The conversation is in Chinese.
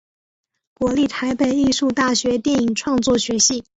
国立台北艺术大学电影创作学系